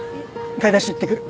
買い出し行ってくる。